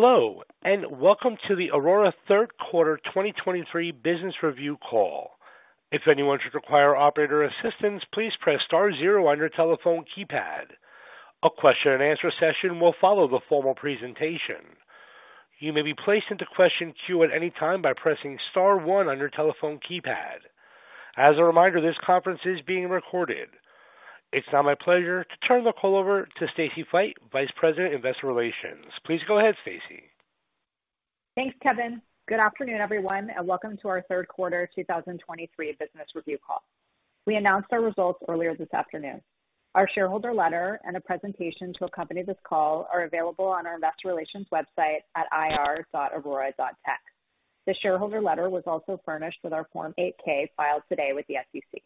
Hello, and welcome to the Aurora Third Quarter 2023 Business Review Call. If anyone should require operator assistance, please press star zero on your telephone keypad. A question-and-answer session will follow the formal presentation. You may be placed into question queue at any time by pressing star one on your telephone keypad. As a reminder, this conference is being recorded. It's now my pleasure to turn the call over to Stacy Feit, Vice President, Investor Relations. Please go ahead, Stacey. Thanks, Kevin. Good afternoon, everyone, and welcome to our Third Quarter 2023 Business Review Call. We announced our results earlier this afternoon. Our shareholder letter and a presentation to accompany this call are available on our Investor Relations website at ir.aurora.tech. The shareholder letter was also furnished with our Form 8-K filed today with the SEC.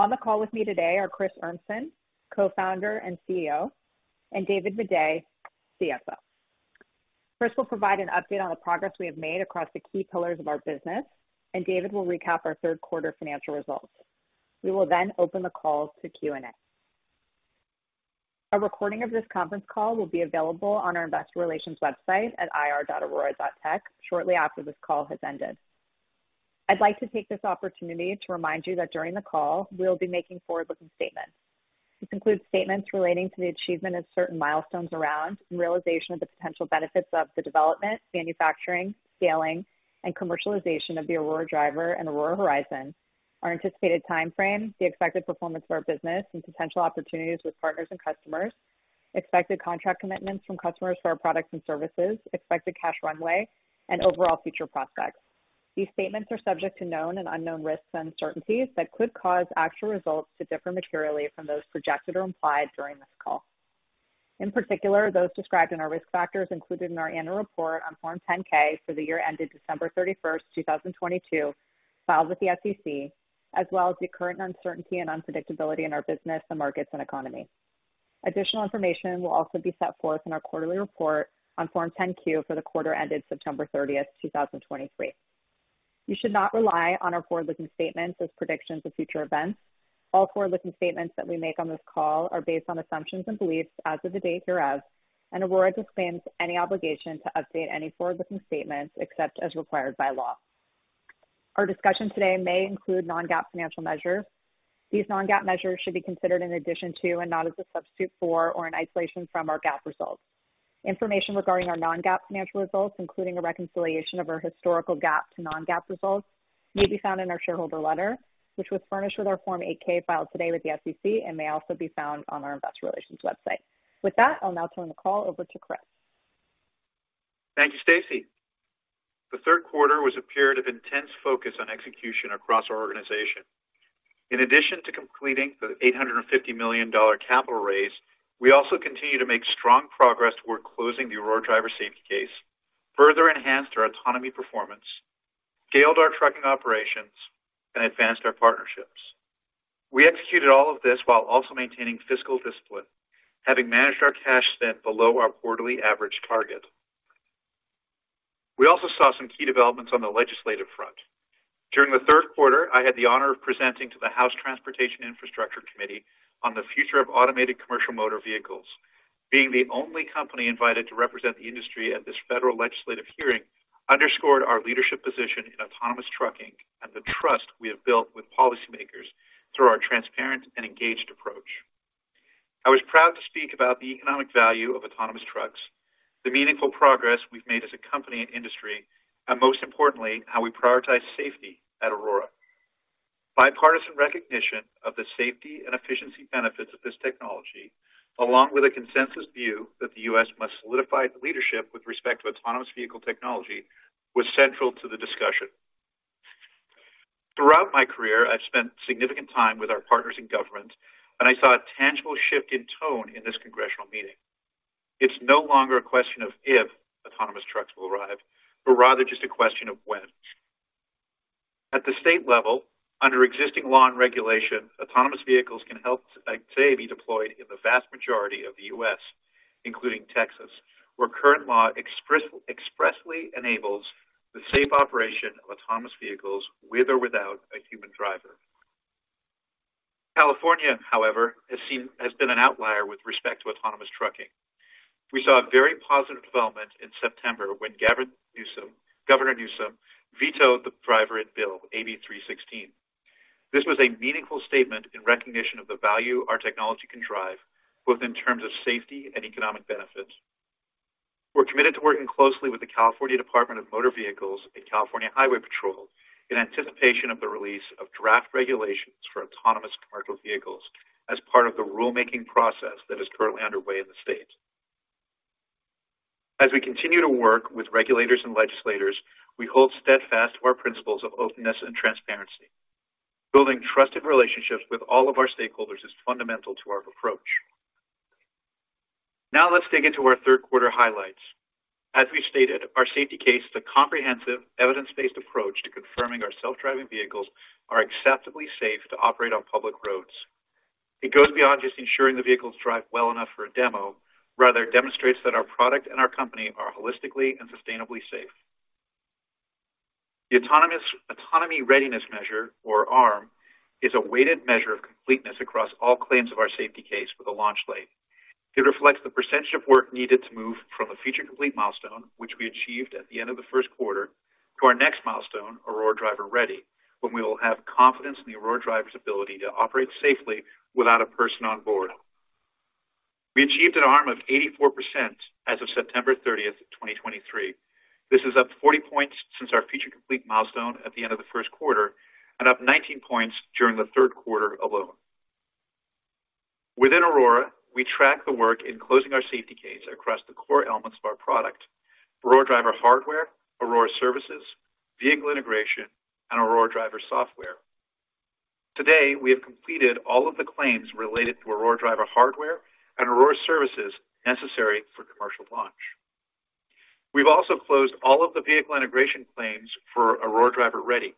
On the call with me today are Chris Urmson, Co-founder and CEO, and David Maday, CFO. Chris will provide an update on the progress we have made across the key pillars of our business, and David will recap our third quarter financial results. We will then open the call to Q&A. A recording of this conference call will be available on our investor relations website at ir.aurora.tech shortly after this call has ended. I'd like to take this opportunity to remind you that during the call, we'll be making forward-looking statements. This includes statements relating to the achievement of certain milestones around and realization of the potential benefits of the development, manufacturing, scaling, and commercialization of the Aurora Driver and Aurora Horizon, our anticipated time frame, the expected performance of our business, and potential opportunities with partners and customers, expected contract commitments from customers for our products and services, expected cash runway, and overall future prospects. These statements are subject to known and unknown risks and uncertainties that could cause actual results to differ materially from those projected or implied during this call. In particular, those described in our risk factors included in our annual report on Form 10-K for the year ended December 31, 2022, filed with the SEC, as well as the current uncertainty and unpredictability in our business and markets and economy. Additional information will also be set forth in our quarterly report on Form 10-Q for the quarter ended September 30, 2023. You should not rely on our forward-looking statements as predictions of future events. All forward-looking statements that we make on this call are based on assumptions and beliefs as of the date hereof, and Aurora disclaims any obligation to update any forward-looking statements except as required by law. Our discussion today may include non-GAAP financial measures. These non-GAAP measures should be considered in addition to and not as a substitute for or in isolation from our GAAP results. Information regarding our non-GAAP financial results, including a reconciliation of our historical GAAP to non-GAAP results, may be found in our shareholder letter, which was furnished with our Form 8-K filed today with the SEC and may also be found on our Investor Relations website. With that, I'll now turn the call over to Chris. Thank you, Stacey. The third quarter was a period of intense focus on execution across our organization. In addition to completing the $850 million capital raise, we also continued to make strong progress toward closing the Aurora Driver Safety Case, further enhanced our autonomy performance, scaled our trucking operations, and advanced our partnerships. We executed all of this while also maintaining fiscal discipline, having managed our cash spent below our quarterly average target. We also saw some key developments on the legislative front. During the third quarter, I had the honor of presenting to the House Transportation and Infrastructure Committee on the future of automated commercial motor vehicles. Being the only company invited to represent the industry at this federal legislative hearing underscored our leadership position in autonomous trucking and the trust we have built with policymakers through our transparent and engaged approach. I was proud to speak about the economic value of autonomous trucks, the meaningful progress we've made as a company and industry, and most importantly, how we prioritize safety at Aurora. Bipartisan recognition of the safety and efficiency benefits of this technology, along with a consensus view that the U.S. must solidify its leadership with respect to autonomous vehicle technology, was central to the discussion. Throughout my career, I've spent significant time with our partners in government, and I saw a tangible shift in tone in this congressional meeting. It's no longer a question of if autonomous trucks will arrive, but rather just a question of when. At the state level, under existing law and regulation, autonomous vehicles can help, today, be deployed in the vast majority of the U.S., including Texas, where current law expressly enables the safe operation of autonomous vehicles with or without a human driver. California, however, has been an outlier with respect to autonomous trucking. We saw a very positive development in September when Gavin Newsom, Governor Newsom, vetoed the drivered bill, AB 316. This was a meaningful statement in recognition of the value our technology can drive, both in terms of safety and economic benefits. We're committed to working closely with the California Department of Motor Vehicles and California Highway Patrol in anticipation of the release of draft regulations for autonomous commercial vehicles as part of the rulemaking process that is currently underway in the state. As we continue to work with regulators and legislators, we hold steadfast to our principles of openness and transparency. Building trusted relationships with all of our stakeholders is fundamental to our approach. Now, let's dig into our third quarter highlights. As we stated, our Safety Case is a comprehensive, evidence-based approach to confirming our self-driving vehicles are acceptably safe to operate on public roads. It goes beyond just ensuring the vehicles drive well enough for a demo, rather demonstrates that our product and our company are holistically and sustainably safe.... The Autonomy Readiness Measure, or ARM, is a weighted measure of completeness across all claims of our Safety Case for the Launch Lane. It reflects the percentage of work needed to move from a Feature Complete milestone, which we achieved at the end of the first quarter, to our next milestone, Aurora Driver Ready, when we will have confidence in the Aurora Driver's ability to operate safely without a person on board. We achieved an ARM of 84% as of September 30, 2023. This is up 40 points since our Feature Complete milestone at the end of the first quarter, and up 19 points during the third quarter alone. Within Aurora, we track the work in closing our Safety Case across the core elements of our product, Aurora Driver Hardware, Aurora Services, Vehicle Integration, and Aurora Driver Software. Today, we have completed all of the claims related to Aurora Driver Hardware and Aurora Services necessary for commercial launch. We've also closed all of the vehicle integration claims for Aurora Driver Ready.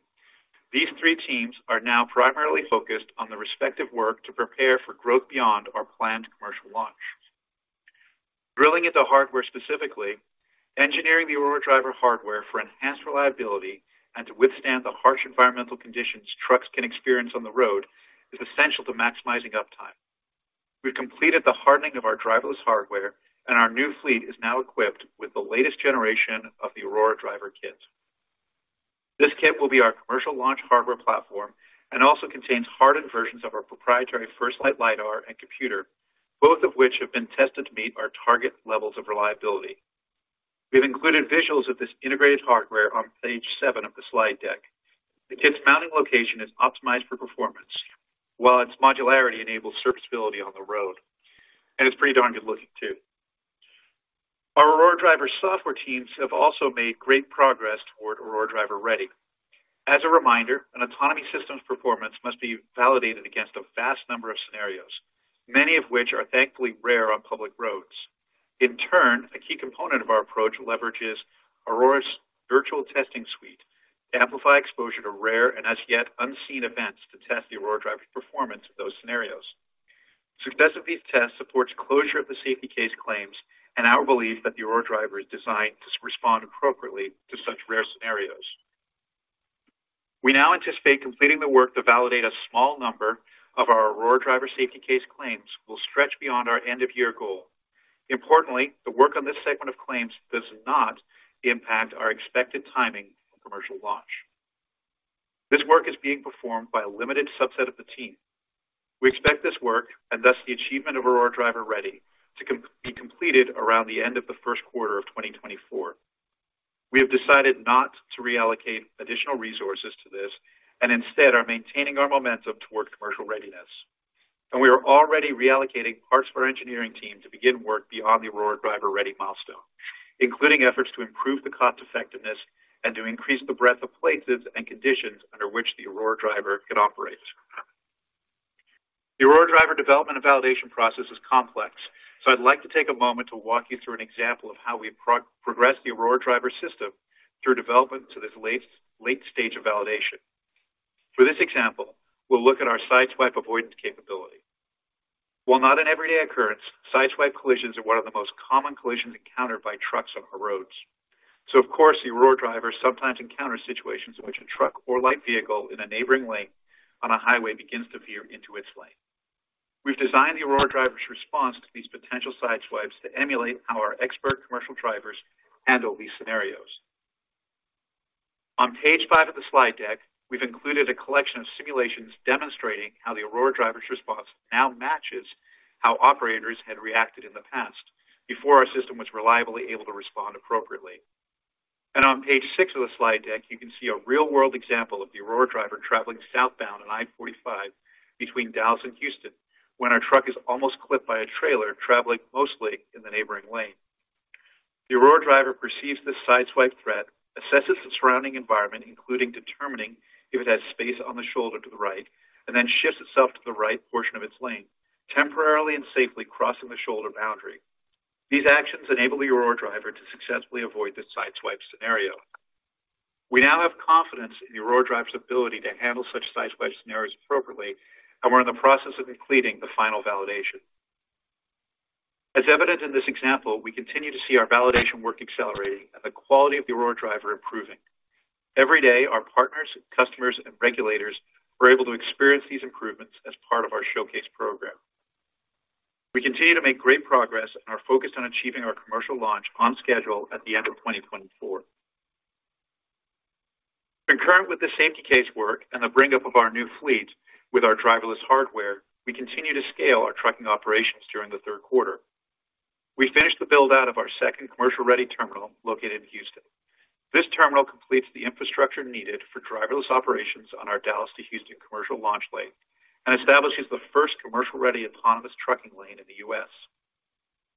These three teams are now primarily focused on the respective work to prepare for growth beyond our planned commercial launch. Drilling into hardware specifically, engineering the Aurora Driver hardware for enhanced reliability and to withstand the harsh environmental conditions trucks can experience on the road, is essential to maximizing uptime. We've completed the hardening of our driverless hardware, and our new fleet is now equipped with the latest generation of the Aurora Driver Kits. This kit will be our commercial launch hardware platform and also contains hardened versions of our proprietary FirstLight LiDAR and computer, both of which have been tested to meet our target levels of reliability. We've included visuals of this integrated hardware on page seven of the slide deck. The kit's mounting location is optimized for performance, while its modularity enables serviceability on the road, and it's pretty darn good looking, too. Our Aurora Driver software teams have also made great progress toward Aurora Driver Ready. As a reminder, an autonomy system's performance must be validated against a vast number of scenarios, many of which are thankfully rare on public roads. In turn, a key component of our approach leverages Aurora's virtual testing suite to amplify exposure to rare and as yet unseen events to test the Aurora Driver's performance in those scenarios. Success of these tests supports closure of the Safety Case claims and our belief that the Aurora Driver is designed to respond appropriately to such rare scenarios. We now anticipate completing the work to validate a small number of our Aurora Driver Safety Case claims will stretch beyond our end-of-year goal. Importantly, the work on this segment of claims does not impact our expected timing for commercial launch. This work is being performed by a limited subset of the team. We expect this work, and thus the achievement of Aurora Driver Ready, to be completed around the end of the first quarter of 2024. We have decided not to reallocate additional resources to this, and instead are maintaining our momentum towards commercial readiness. We are already reallocating parts of our engineering team to begin work beyond the Aurora Driver Ready milestone, including efforts to improve the cost effectiveness and to increase the breadth of places and conditions under which the Aurora Driver can operate. The Aurora Driver development and validation process is complex, so I'd like to take a moment to walk you through an example of how we've progressed the Aurora Driver system through development to this late, late stage of validation. For this example, we'll look at our sideswipe avoidance capability. While not an everyday occurrence, sideswipe collisions are one of the most common collisions encountered by trucks on our roads. So of course, the Aurora Driver sometimes encounters situations in which a truck or light vehicle in a neighboring lane on a highway begins to veer into its lane. We've designed the Aurora Driver's response to these potential sideswipes to emulate how our expert commercial drivers handle these scenarios. On page five of the slide deck, we've included a collection of simulations demonstrating how the Aurora Driver's response now matches how operators had reacted in the past, before our system was reliably able to respond appropriately. On page six of the slide deck, you can see a real-world example of the Aurora Driver traveling southbound on I-45 between Dallas and Houston, when our truck is almost clipped by a trailer traveling mostly in the neighboring lane. The Aurora Driver perceives this sideswipe threat, assesses the surrounding environment, including determining if it has space on the shoulder to the right, and then shifts itself to the right portion of its lane, temporarily and safely crossing the shoulder boundary. These actions enable the Aurora Driver to successfully avoid this sideswipe scenario. We now have confidence in the Aurora Driver's ability to handle such sideswipe scenarios appropriately, and we're in the process of completing the final validation. As evidenced in this example, we continue to see our validation work accelerating and the quality of the Aurora Driver improving. Every day, our partners, customers, and regulators are able to experience these improvements as part of our showcase program. We continue to make great progress and are focused on achieving our commercial launch on schedule at the end of 2024. Concurrent with the safety case work and the bring up of our new fleet with our driverless hardware, we continue to scale our trucking operations during the third quarter. We finished the build-out of our second commercial-ready terminal located in Houston. This terminal completes the infrastructure needed for driverless operations on our Dallas to Houston commercial launch lane and establishes the first commercial-ready autonomous trucking lane in the U.S.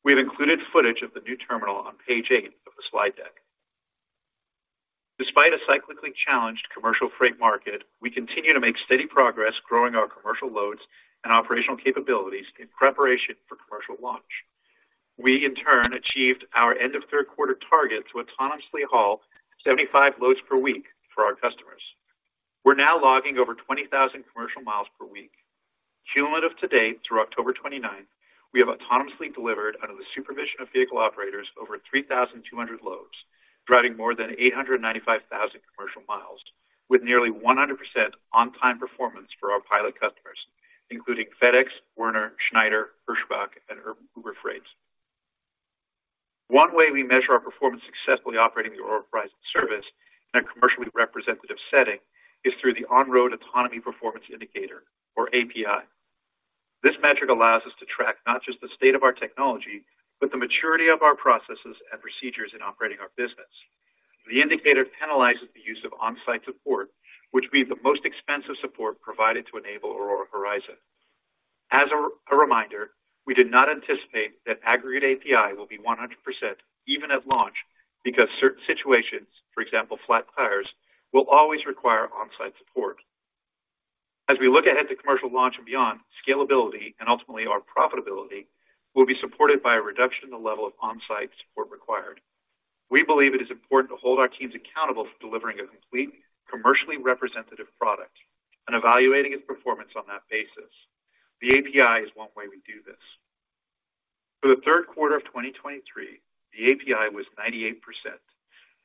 We have included footage of the new terminal on page eight of the slide deck. Despite a cyclically challenged commercial freight market, we continue to make steady progress growing our commercial loads and operational capabilities in preparation for commercial launch. We, in turn, achieved our end of third quarter target to autonomously haul 75 loads per week for our customers. We're now logging over 20,000 commercial miles per week. Cumulative to date, through October 29, we have autonomously delivered under the supervision of vehicle operators over 3,200 loads, driving more than 895,000 commercial miles, with nearly 100% on-time performance for our pilot customers, including FedEx, Werner, Schneider, Hirschbach, and Uber Freight. One way we measure our performance successfully operating the Aurora Horizon service in a commercially representative setting is through the On-road Autonomy Performance Indicator or API. This metric allows us to track not just the state of our technology, but the maturity of our processes and procedures in operating our business. The indicator penalizes the use of on-site support, which is the most expensive support provided to enable Aurora Horizon. As a reminder, we did not anticipate that aggregate API will be 100% even at launch, because certain situations, for example, flat tires, will always require on-site support. As we look ahead to commercial launch and beyond, scalability and ultimately our profitability will be supported by a reduction in the level of on-site support required. We believe it is important to hold our teams accountable for delivering a complete, commercially representative product and evaluating its performance on that basis. The API is one way we do this. For the third quarter of 2023, the API was 98%,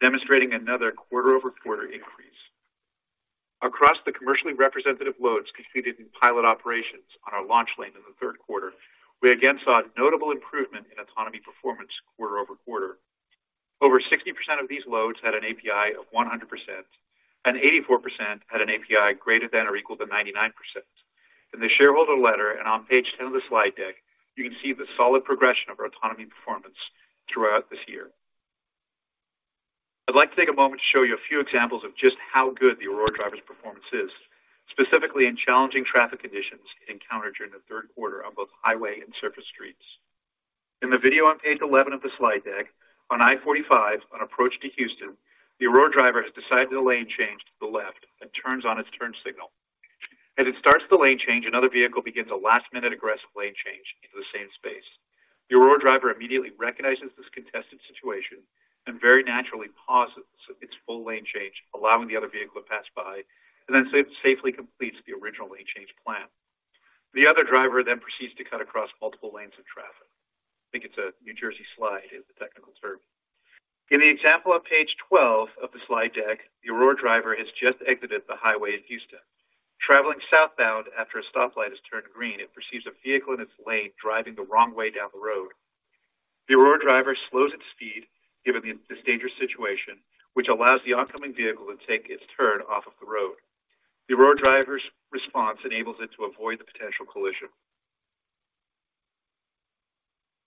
demonstrating another quarter-over-quarter increase. Across the commercially representative loads completed in pilot operations on our launch lane in the third quarter, we again saw a notable improvement in autonomy performance quarter-over-quarter. Over 60% of these loads had an API of 100%, and 84% had an API greater than or equal to 99%. In the shareholder letter and on page 10 of the slide deck, you can see the solid progression of our autonomy performance throughout this year. I'd like to take a moment to show you a few examples of just how good the Aurora Driver's performance is, specifically in challenging traffic conditions encountered during the third quarter on both highway and surface streets. In the video on page 11 of the slide deck, on I-45 on approach to Houston, the Aurora Driver has decided to lane change to the left and turns on its turn signal. As it starts the lane change, another vehicle begins a last-minute aggressive lane change into the same space. The Aurora Driver immediately recognizes this contested situation and very naturally pauses its full lane change, allowing the other vehicle to pass by, and then safely completes the original lane change plan. The other driver then proceeds to cut across multiple lanes of traffic. I think it's a New Jersey slide, the technical term. In the example on page 12 of the slide deck, the Aurora Driver has just exited the highway in Houston. Traveling southbound after a stoplight has turned green, it perceives a vehicle in its lane driving the wrong way down the road. The Aurora Driver slows its speed, given this dangerous situation, which allows the oncoming vehicle to take its turn off of the road. The Aurora Driver's response enables it to avoid the potential collision.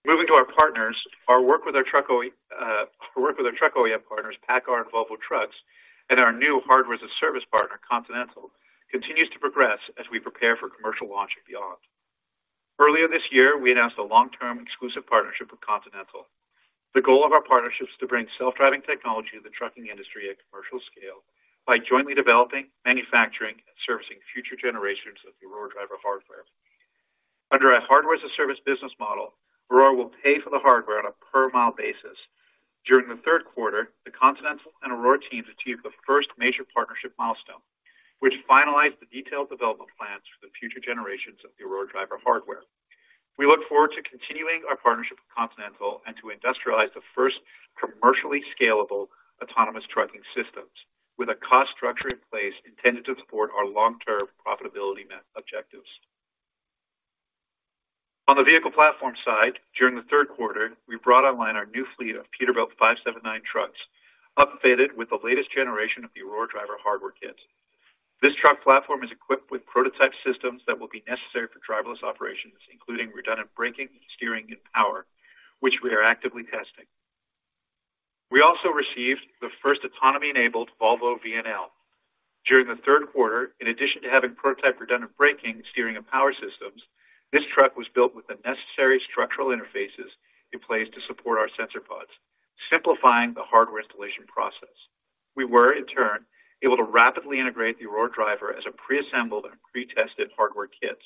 Moving to our partners, our work with our truck OE, our work with our truck OEM partners, PACCAR and Volvo Trucks, and our new Hardware as a Service partner, Continental, continues to progress as we prepare for commercial launch and beyond. Earlier this year, we announced a long-term exclusive partnership with Continental. The goal of our partnership is to bring self-driving technology to the trucking industry at commercial scale by jointly developing, manufacturing, and servicing future generations of the Aurora Driver Hardware. Under our Hardware as a Service business model, Aurora will pay for the hardware on a per mile basis. During the third quarter, the Continental and Aurora teams achieved the first major partnership milestone, which finalized the detailed development plans for the future generations of the Aurora Driver Hardware. We look forward to continuing our partnership with Continental and to industrialize the first commercially scalable autonomous trucking systems, with a cost structure in place intended to support our long-term profitability objectives. On the vehicle platform side, during the third quarter, we brought online our new fleet of Peterbilt 579 trucks, updated with the latest generation of the Aurora Driver hardware kits. This truck platform is equipped with prototype systems that will be necessary for driverless operations, including redundant braking, steering, and power, which we are actively testing. We also received the first autonomy-enabled Volvo VNL. During the third quarter, in addition to having prototype redundant braking, steering, and power systems, this truck was built with the necessary structural interfaces in place to support our sensor pods, simplifying the hardware installation process. We were, in turn, able to rapidly integrate the Aurora Driver as a preassembled and pretested hardware kits.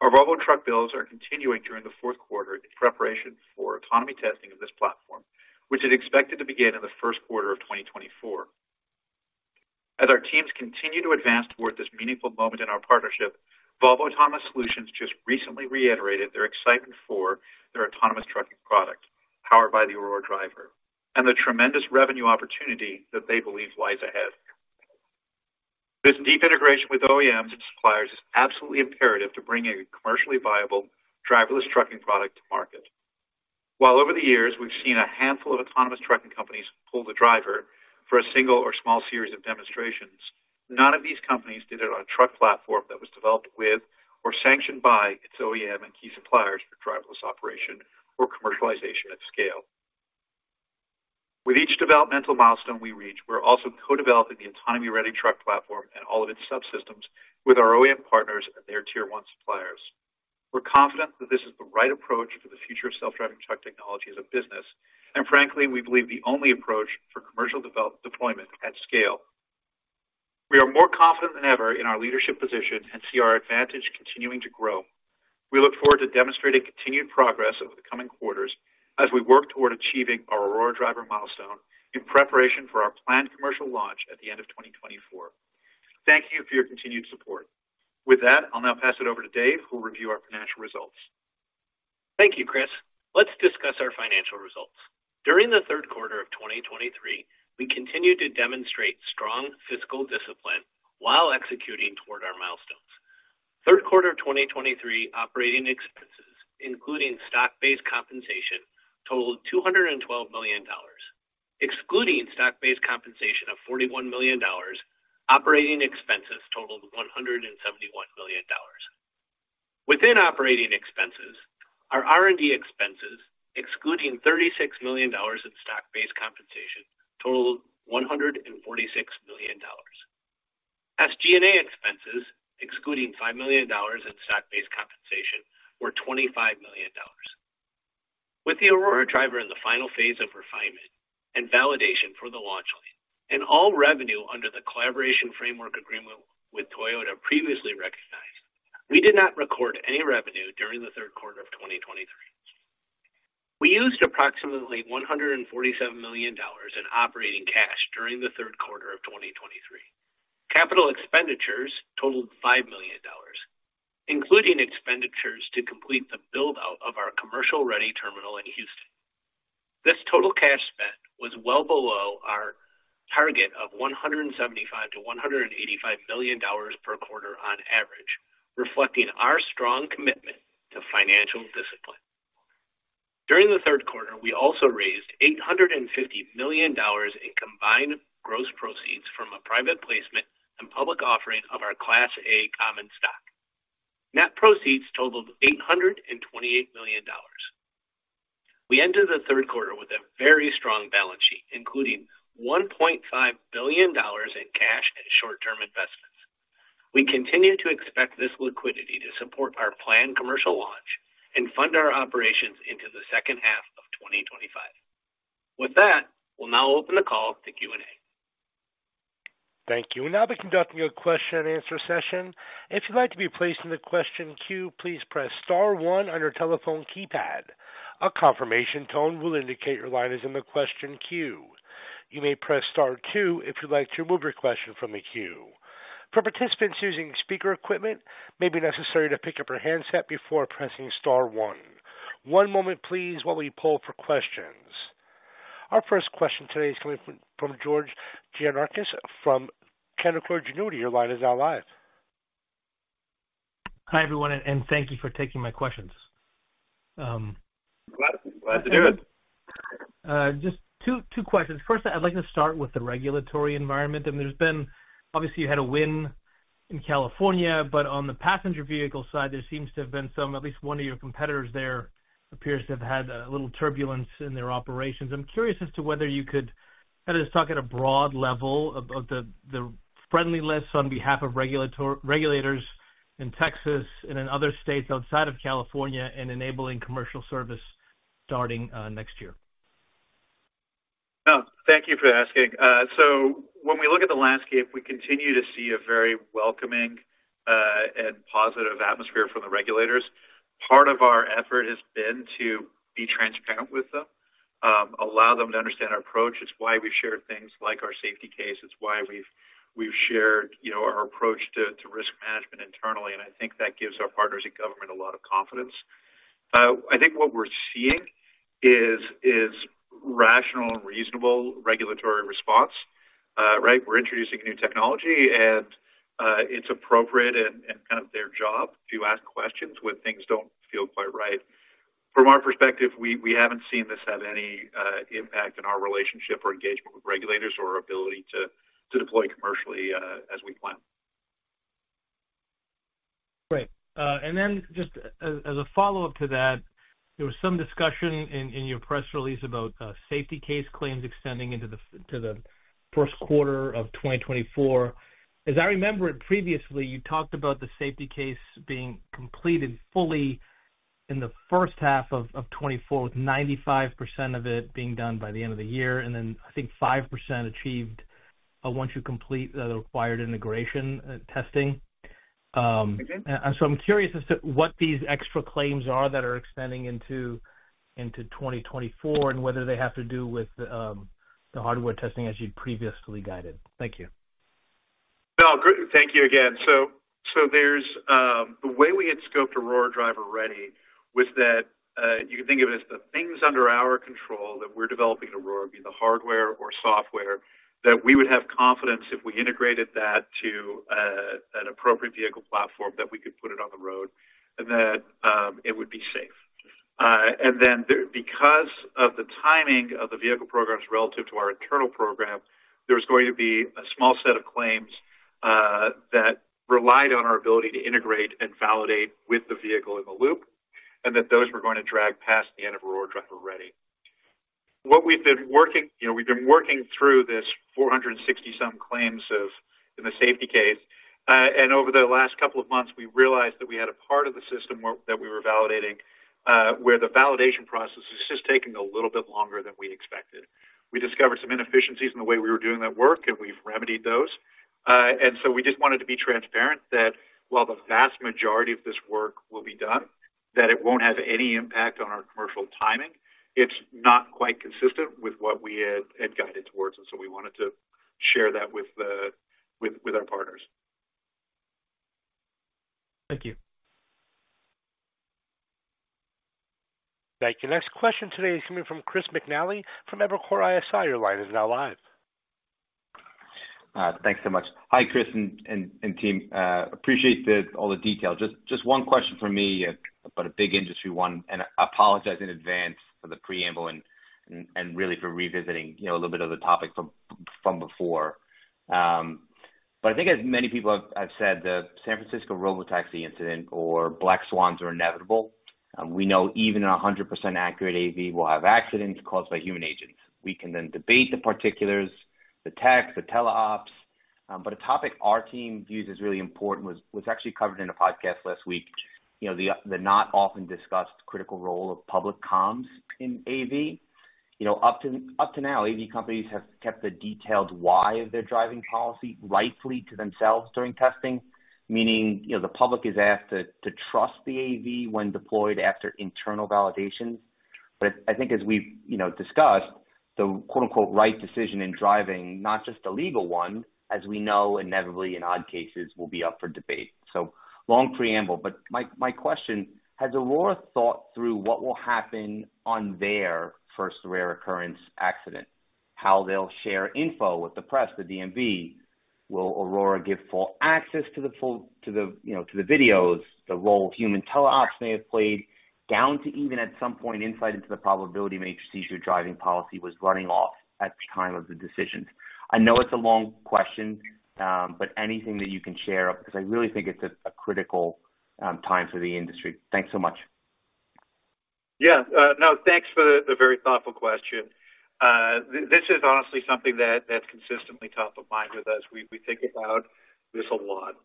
Our Volvo truck builds are continuing during the fourth quarter in preparation for autonomy testing of this platform, which is expected to begin in the first quarter of 2024. As our teams continue to advance toward this meaningful moment in our partnership, Volvo Autonomous Solutions just recently reiterated their excitement for their autonomous trucking product, powered by the Aurora Driver, and the tremendous revenue opportunity that they believe lies ahead. This deep integration with OEMs and suppliers is absolutely imperative to bringing a commercially viable driverless trucking product to market. While over the years, we've seen a handful of autonomous trucking companies pull the driver for a single or small series of demonstrations, none of these companies did it on a truck platform that was developed with or sanctioned by its OEM and key suppliers for driverless operation or commercialization at scale. With each developmental milestone we reach, we're also co-developing the autonomy-ready truck platform and all of its subsystems with our OEM partners and their tier one suppliers. We're confident that this is the right approach for the future of self-driving truck technology as a business, and frankly, we believe the only approach for commercial deployment at scale. We are more confident than ever in our leadership position and see our advantage continuing to grow. We look forward to demonstrating continued progress over the coming quarters as we work toward achieving our Aurora Driver milestone in preparation for our planned commercial launch at the end of 2024. Thank you for your continued support. With that, I'll now pass it over to Dave, who will review our financial results. Thank you, Chris. Let's discuss our financial results. During the third quarter of 2023, we continued to demonstrate strong fiscal discipline while executing toward our milestones. Third quarter 2023 operating expenses, including stock-based compensation, totaled $212 million. Excluding stock-based compensation of $41 million, operating expenses totaled $171 million. Within operating expenses, our R&D expenses, excluding $36 million in stock-based compensation, totaled $146 million. SG&A expenses, excluding $5 million in stock-based compensation, were $25 million. With the Aurora Driver in the final phase of refinement and validation for the Launch Lane, and all revenue under the collaboration framework agreement with Toyota previously recognized, we did not record any revenue during the third quarter of 2023. We used approximately $147 million in operating cash during the third quarter of 2023. Capital expenditures totaled $5 million, including expenditures to complete the build-out of our commercial-ready terminal in Houston. This total cash spend was well below our target of $175 million-$185 million per quarter on average, reflecting our strong commitment to financial discipline. During the third quarter, we also raised $850 million in combined gross proceeds from a private placement and public offering of our Class A common stock. Net proceeds totaled $828 million. We entered the third quarter with a very strong balance sheet, including $1.5 billion in cash and short-term investments. We continue to expect this liquidity to support our planned commercial launch and fund our operations into the second half of 2025. With that, we'll now open the call to Q&A. Thank you. We'll now be conducting a question and answer session. If you'd like to be placed in the question queue, please press star one on your telephone keypad. A confirmation tone will indicate your line is in the question queue. You may press star two if you'd like to remove your question from the queue. For participants using speaker equipment, it may be necessary to pick up your handset before pressing star one. One moment please while we poll for questions. Our first question today is coming from George Gianarikas from Canaccord Genuity. Your line is now live. Hi, everyone, and thank you for taking my questions. Glad to do it. Just two questions. First, I'd like to start with the regulatory environment. I mean, there's been obviously, you had a win in California, but on the passenger vehicle side, there seems to have been some, at least one of your competitors there appears to have had a little turbulence in their operations. I'm curious as to whether you could kind of just talk at a broad level about the friendliness on behalf of regulator, regulators in Texas and in other states outside of California in enabling commercial service starting next year. Oh, thank you for asking. So when we look at the landscape, we continue to see a very welcoming and positive atmosphere from the regulators. Part of our effort has been to be transparent with them, allow them to understand our approach. It's why we've shared things like our Safety Case. It's why we've shared, you know, our approach to risk management internally, and I think that gives our partners in government a lot of confidence. I think what we're seeing is rational and reasonable regulatory response. Right? We're introducing a new technology, and it's appropriate and kind of their job to ask questions when things don't feel quite right. From our perspective, we haven't seen this have any impact in our relationship or engagement with regulators or our ability to deploy commercially as we plan. Great. As a follow-up to that, there was some discussion in your press release about safety case claims extending into the first quarter of 2024. As I remember it, previously, you talked about the safety case being completed fully in the first half of 2024, with 95% of it being done by the end of the year, and then I think 5% achieved once you complete the required integration testing. Mm-hmm. And so I'm curious as to what these extra claims are that are extending into 2024 and whether they have to do with the hardware testing as you'd previously guided. Thank you. No, great. Thank you again. So, so there's... The way we had scoped Aurora Driver Ready was that, you can think of it as the things under our control that we're developing Aurora, be it the hardware or software, that we would have confidence if we integrated that to, an appropriate vehicle platform, that we could put it on the road and that, it would be safe. And then there, because of the timing of the vehicle programs relative to our internal program, there was going to be a small set of claims, that relied on our ability to integrate and validate with the vehicle in the loop, and that those were going to drag past the end of Aurora Driver Ready. What we've been working, you know, we've been working through this 460-some claims of, in the safety case, and over the last couple of months, we realized that we had a part of the system where, that we were validating, where the validation process is just taking a little bit longer than we'd expected. We discovered some inefficiencies in the way we were doing that work, and we've remedied those. We just wanted to be transparent that while the vast majority of this work will be done, that it won't have any impact on our commercial timing. It's not quite consistent with what we had, had guided towards, and we wanted to share that with the, with, with our partners. Thank you. Thank you. Next question today is coming from Chris McNally from Evercore ISI. Your line is now live. Thanks so much. Hi, Chris and team. Appreciate all the detail. Just one question from me, but a big industry one, and I apologize in advance for the preamble and really for revisiting, you know, a little bit of the topic from before. But I think as many people have said, the San Francisco robotaxi incident or black swans are inevitable. We know even 100% accurate AV will have accidents caused by human agents. We can then debate the particulars, the tech, the teleops, but a topic our team views as really important was actually covered in a podcast last week. You know, the not often discussed critical role of public comms in AV. You know, up to, up to now, AV companies have kept the detailed why of their driving policy, rightfully, to themselves during testing. Meaning, you know, the public is asked to, to trust the AV when deployed after internal validation. But I think as we've, you know, discussed, the quote, unquote, "right decision in driving," not just a legal one, as we know, inevitably in odd cases will be up for debate. So long preamble, but my, my question: Has Aurora thought through what will happen on their first rare occurrence accident? How they'll share info with the press, the DMV. Will Aurora give full access to the full, to the, you know, to the videos, the role human teleops may have played, down to even at some point, insight into the probability matrices your driving policy was running off at the time of the decisions? I know it's a long question, but anything that you can share, because I really think it's a critical time for the industry. Thanks so much. Yeah. No, thanks for the, the very thoughtful question. This is honestly something that, that's consistently top of mind with us. We, we think about this a lot,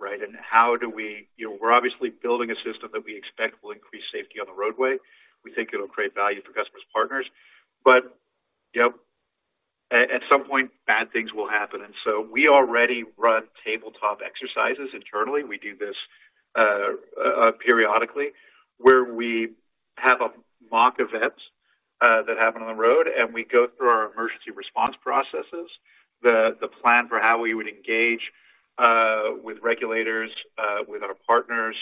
right? And how do we... You know, we're obviously building a system that we expect will increase safety on the roadway. We think it'll create value for customers, partners. But, you know, at some point, bad things will happen, and so we already run tabletop exercises internally. We do this, periodically, where we have a mock events, that happen on the road, and we go through our emergency response processes, the, the plan for how we would engage, with regulators, with our partners,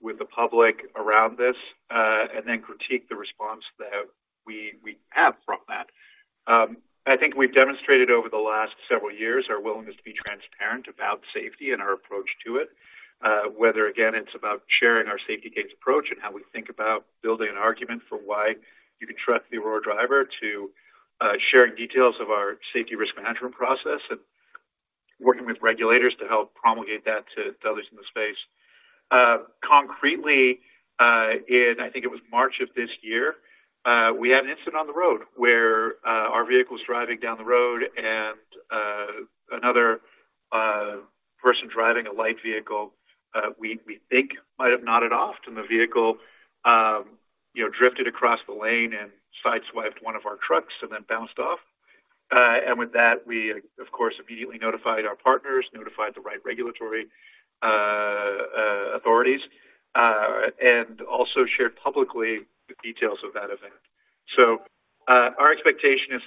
with the public around this, and then critique the response that we, we have from that. I think we've demonstrated over the last several years our willingness to be transparent about safety and our approach to it, whether, again, it's about sharing our safety Case approach and how we think about building an argument for why you can trust the Aurora Driver, to sharing details of our Safety Risk Management process, and working with regulators to help promulgate that to others in the space. Concretely, in I think it was March of this year, we had an incident on the road where our vehicle was driving down the road and another person driving a light vehicle we think might have nodded off, and the vehicle you know drifted across the lane and sideswiped one of our trucks and then bounced off. With that, we, of course, immediately notified our partners, notified the right regulatory authorities, and also shared publicly the details of that event. Our expectation is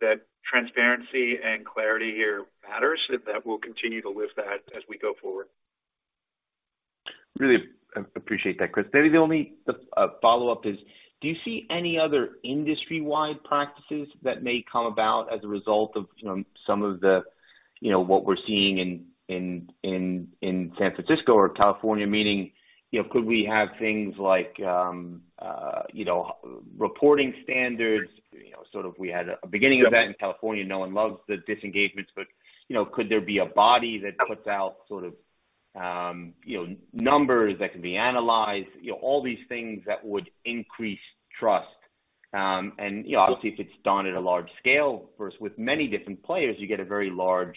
that transparency and clarity here matters, and that we'll continue to live that as we go forward. Really appreciate that, Chris. Maybe the only follow-up is, do you see any other industry-wide practices that may come about as a result of, you know, some of the, you know, what we're seeing in San Francisco or California? Meaning, you know, could we have things like, you know, reporting standards? You know, sort of we had a beginning of that in California. No one loves the disengagements, but, you know, could there be a body that puts out sort of, you know, numbers that can be analyzed? You know, all these things that would increase trust. You know, obviously, if it's done at a large scale versus with many different players, you get a very large,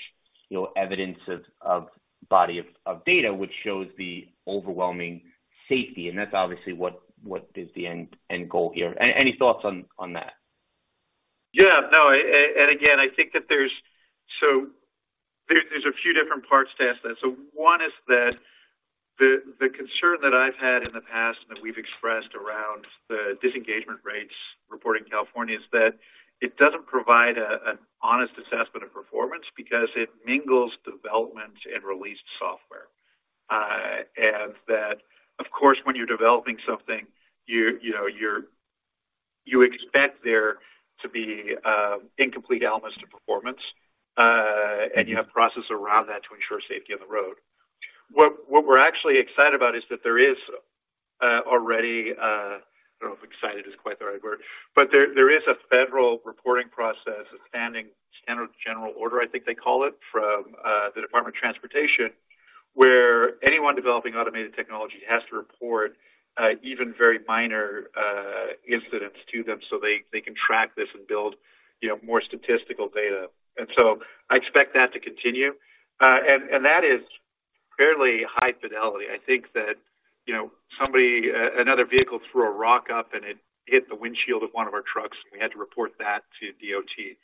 you know, evidence of body of data, which shows the overwhelming safety, and that's obviously what is the end goal here. Any thoughts on that? Yeah, no, and again, I think that there's... So there, there's a few different parts to ask that. So one is that the concern that I've had in the past, and that we've expressed around the disengagement rates reported in California, is that it doesn't provide an honest assessment of performance because it mingles development and released software. And that, of course, when you're developing something, you're, you know, you expect there to be incomplete elements to performance, and you have processes around that to ensure safety on the road. What we're actually excited about is that there is already—I don't know if excited is quite the right word, but there is a federal reporting process, a Standing General Order, I think they call it, from the Department of Transportation, where anyone developing automated technology has to report even very minor incidents to them so they can track this and build, you know, more statistical data. And so I expect that to continue. And that is fairly high fidelity. I think that, you know, somebody, another vehicle threw a rock up, and it hit the windshield of one of our trucks, and we had to report that to DOT.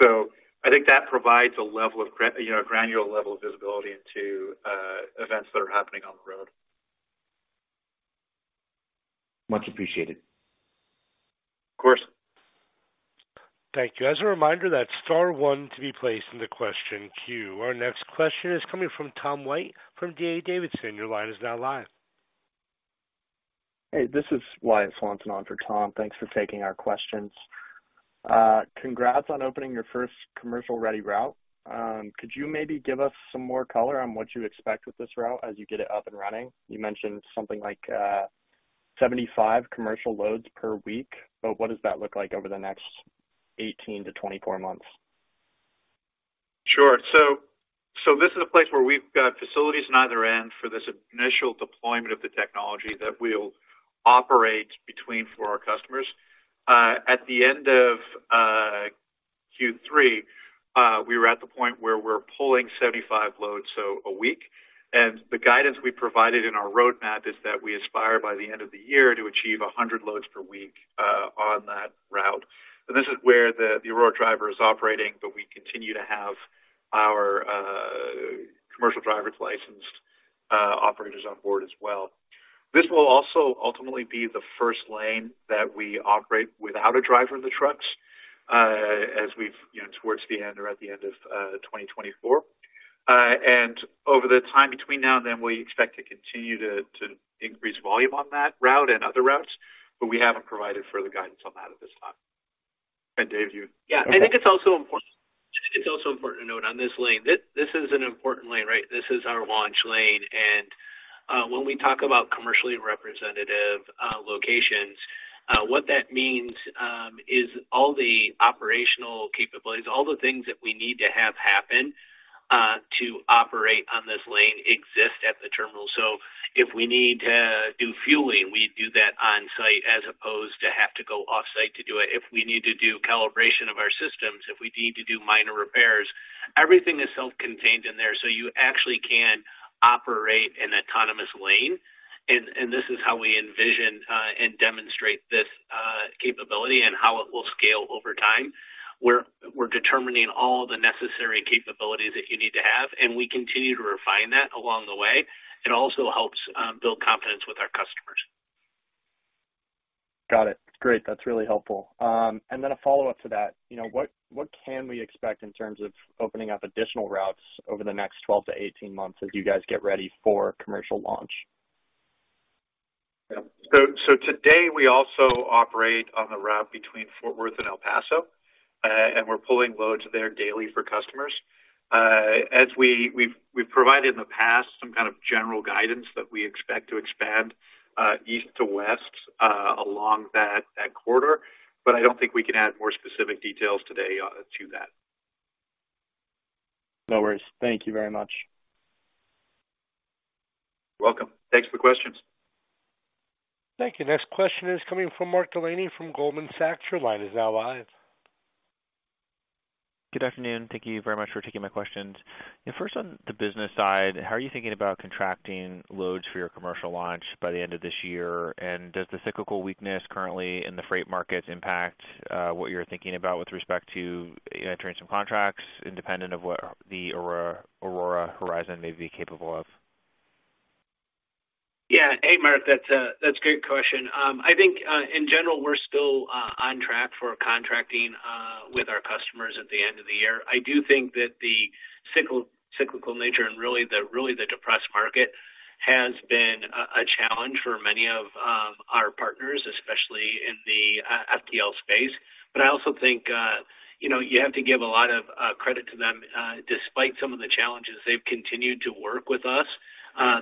So I think that provides a level of, you know, a granular level of visibility into events that are happening on the road. Much appreciated. Of course. Thank you. As a reminder, that's star one to be placed in the question queue. Our next question is coming from Tom White from DA Davidson. Your line is now live. Hey, this is Wyatt Swanson on for Tom. Thanks for taking our questions. Congrats on opening your first commercial-ready route. Could you maybe give us some more color on what you expect with this route as you get it up and running? You mentioned something like, 75 commercial loads per week, but what does that look like over the next 18-24 months? Sure. So this is a place where we've got facilities on either end for this initial deployment of the technology that we'll operate between for our customers. At the end of Q3, we were at the point where we're pulling 75 loads a week, and the guidance we provided in our roadmap is that we aspire by the end of the year to achieve 100 loads per week on that route. And this is where the Aurora Driver is operating, but we continue to have our commercial driver's licensed operators on board as well. This will also ultimately be the first lane that we operate without a driver in the trucks, as we've, you know, towards the end or at the end of 2024. And over the time between now and then, we expect to continue to increase volume on that route and other routes, but we haven't provided further guidance on that at this time. And, Dave, you- Yeah, I think it's also important to note on this lane. This is an important lane, right? This is our Launch Lane, and when we talk about commercially representative locations, what that means is all the operational capabilities, all the things that we need to have happen to operate on this lane exist at the terminal. So if we need to do fueling, we do that on-site as opposed to have to go off-site to do it. If we need to do calibration of our systems, if we need to do minor repairs, everything is self-contained in there, so you actually can operate an autonomous lane. And this is how we envision and demonstrate this capability and how it will scale over time. We're determining all the necessary capabilities that you need to have, and we continue to refine that along the way. It also helps build confidence with our customers. Got it. Great, that's really helpful. And then a follow-up to that, you know, what, what can we expect in terms of opening up additional routes over the next 12-18 months as you guys get ready for commercial launch? Yeah. So today, we also operate on the route between Fort Worth and El Paso, and we're pulling loads there daily for customers. As we've provided in the past some kind of general guidance that we expect to expand east to west along that corridor, but I don't think we can add more specific details today to that. No worries. Thank you very much. Welcome. Thanks for the questions. Thank you. Next question is coming from Mark Delaney from Goldman Sachs. Your line is now live. Good afternoon. Thank you very much for taking my questions. First, on the business side, how are you thinking about contracting loads for your commercial launch by the end of this year? And does the cyclical weakness currently in the freight markets impact what you're thinking about with respect to entering some contracts, independent of what the Aurora Horizon may be capable of? Yeah. Hey, Mark, that's a great question. I think, in general, we're still on track for contracting with our customers at the end of the year. I do think that the cyclical nature and really the depressed market has been a challenge for many of our partners, especially in the FTL space. But I also think, you know, you have to give a lot of credit to them.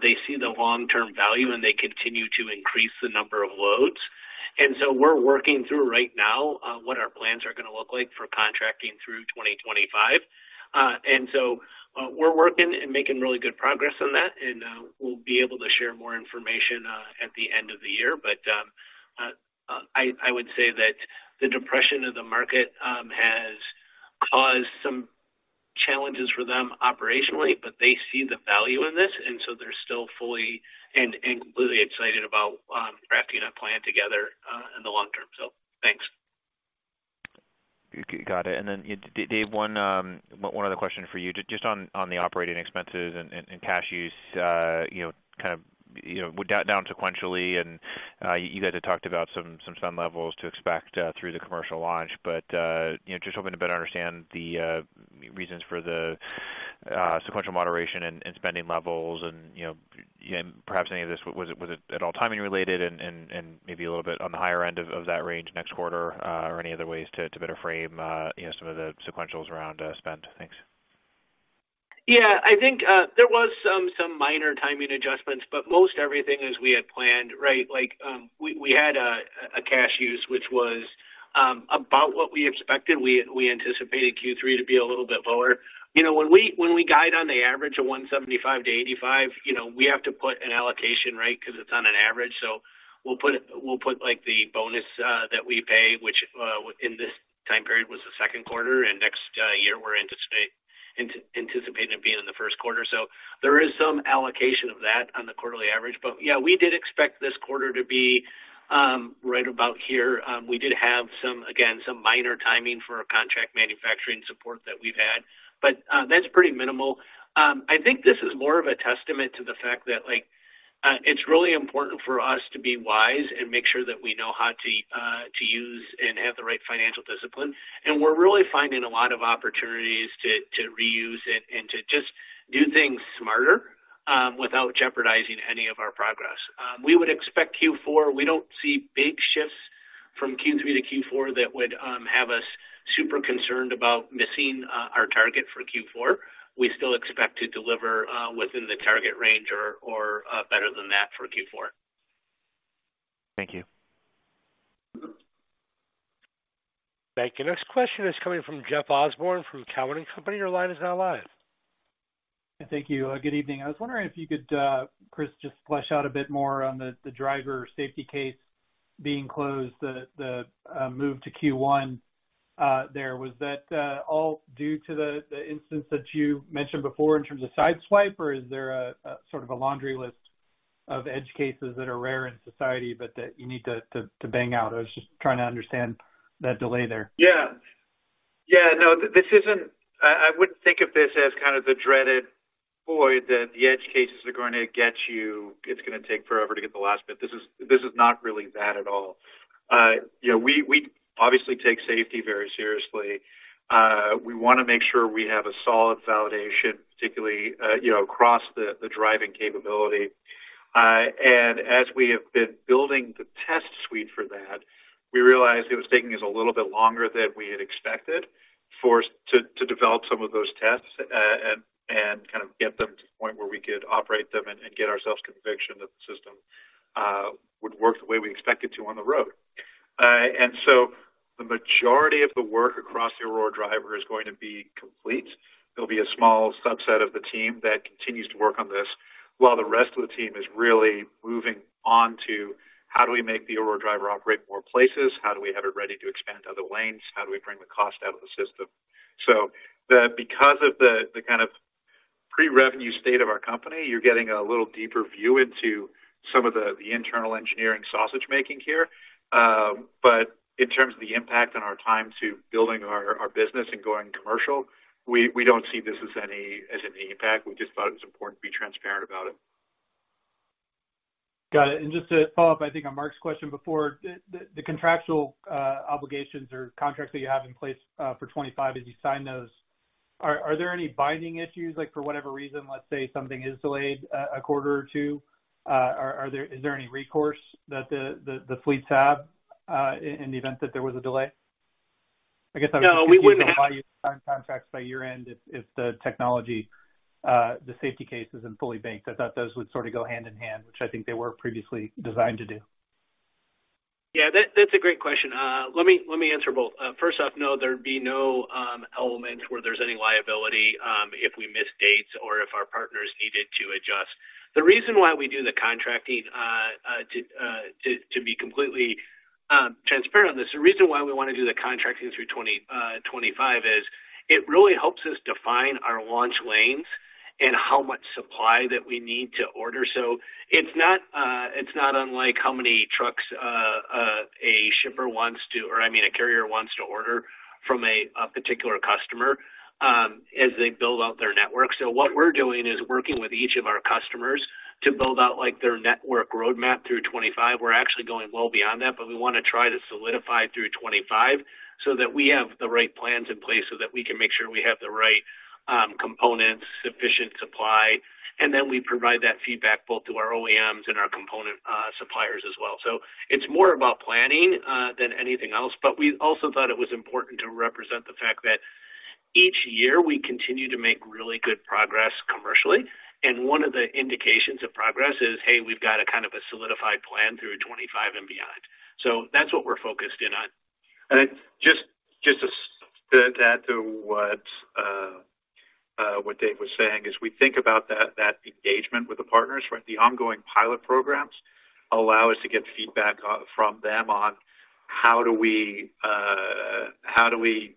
They see the long-term value, and they continue to increase the number of loads. And so we're working through right now what our plans are going to look like for contracting through 2025. And so, we're working and making really good progress on that, and we'll be able to share more information at the end of the year. But I would say that the depression of the market has caused some challenges for them operationally, but they see the value in this, and so they're still fully and completely excited about crafting a plan together in the long term. So thanks. Got it. And then, Dave, one other question for you. Just on the operating expenses and cash use, you know, kind of, you know, down sequentially, and you guys had talked about some levels to expect through the commercial launch. But you know, just hoping to better understand the reasons for the sequential moderation and spending levels and, you know, and perhaps any of this, was it at all timing related and maybe a little bit on the higher end of that range next quarter, or any other ways to better frame, you know, some of the sequentials around spend? Thanks. Yeah. I think there was some minor timing adjustments, but most everything is we had planned, right? Like, we had a cash use, which was about what we expected. We anticipated Q3 to be a little bit lower. You know, when we guide on the average of $175-$185, you know, we have to put an allocation, right? Because it's on an average. So we'll put, we'll put, like, the bonus that we pay, which in this time period was the second quarter, and next year, we're anticipating it being in the first quarter. So there is some allocation of that on the quarterly average. But, yeah, we did expect this quarter to be right about here. We did have some, again, some minor timing for our contract manufacturing support that we've had, but that's pretty minimal. I think this is more of a testament to the fact that, like, it's really important for us to be wise and make sure that we know how to use and have the right financial discipline. We're really finding a lot of opportunities to reuse it and to just do things smarter, without jeopardizing any of our progress. We would expect Q4. We don't see big shifts from Q3 to Q4 that would have us super concerned about missing our target for Q4. We still expect to deliver within the target range or, or better than that for Q4. Thank you. Thank you. Next question is coming from Jeff Osborne, from Cowen and Company. Your line is now live. Thank you. Good evening. I was wondering if you could, Chris, just flesh out a bit more on the driver safety case being closed, the move to Q1 there. Was that all due to the instance that you mentioned before in terms of sideswipe, or is there a sort of a laundry list of edge cases that are rare in society, but that you need to bang out? I was just trying to understand that delay there. Yeah. Yeah, no, this isn't-I wouldn't think of this as kind of the dreaded, boy, that the edge cases are going to get you, it's gonna take forever to get the last bit. This is not really that at all. You know, we obviously take safety very seriously. We wanna make sure we have a solid validation, particularly, you know, across the driving capability. As we have been building the test suite for that, we realized it was taking us a little bit longer than we had expected for us to develop some of those tests, and kind of get them to the point where we could operate them and get ourselves conviction that the system would work the way we expect it to on the road. So the majority of the work across the Aurora Driver is going to be complete. There'll be a small subset of the team that continues to work on this, while the rest of the team is really moving on to, how do we make the Aurora Driver operate more places? How do we have it ready to expand to other lanes? How do we bring the cost out of the system? So, because of the kind of pre-revenue state of our company, you're getting a little deeper view into some of the internal engineering sausage-making here. But in terms of the impact on our time to building our business and going commercial, we don't see this as any impact. We just thought it was important to be transparent about it. Got it. And just to follow up, I think, on Mark's question before, the contractual obligations or contracts that you have in place for 25, as you sign those, are there any binding issues? Like, for whatever reason, let's say something is delayed a quarter or two, is there any recourse that the fleets have in the event that there was a delay? I guess I would- No, we wouldn't have- contracts by your end if, if the technology, the Safety Case isn't fully baked. I thought those would sort of go hand in hand, which I think they were previously designed to do. Yeah, that, that's a great question. Let me, let me answer both. First off, no, there'd be no element where there's any liability if we miss dates or if our partners needed to adjust. The reason why we do the contracting to be completely transparent on this, the reason why we wanna do the contracting through 2025 is, it really helps us define our launch lanes and how much supply that we need to order. So it's not unlike how many trucks a shipper wants to or, I mean, a carrier wants to order from a particular customer as they build out their network. So what we're doing is working with each of our customers to build out, like, their network roadmap through 2025. We're actually going well beyond that, but we wanna try to solidify through 2025 so that we have the right plans in place, so that we can make sure we have the right, components, sufficient supply, and then we provide that feedback both to our OEMs and our component, suppliers as well. So it's more about planning, than anything else, but we also thought it was important to represent the fact that each year, we continue to make really good progress commercially, and one of the indications of progress is, hey, we've got a kind of a solidified plan through 2025 and beyond. So that's what we're focused in on. Just to add to what Dave was saying, as we think about that engagement with the partners, right? The ongoing pilot programs allow us to get feedback from them on how do we, how do we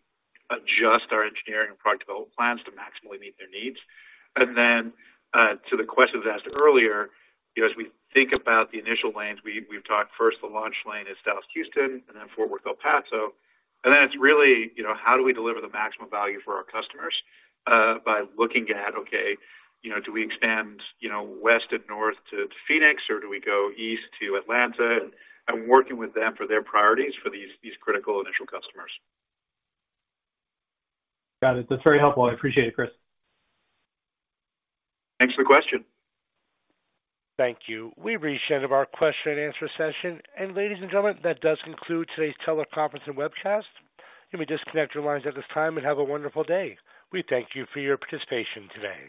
adjust our engineering and product development plans to maximally meet their needs? And then, to the questions asked earlier, you know, as we think about the initial lanes, we've talked first, the launch lane is Dallas-Houston, and then Fort Worth-El Paso, and then it's really, you know, how do we deliver the maximum value for our customers by looking at, okay, you know, do we expand, you know, west and north to Phoenix, or do we go east to Atlanta? And working with them for their priorities for these critical initial customers. Got it. That's very helpful. I appreciate it, Chris. Thanks for the question. Thank you. We've reached the end of our question and answer session. Ladies and gentlemen, that does conclude today's teleconference and webcast. You may disconnect your lines at this time and have a wonderful day. We thank you for your participation today.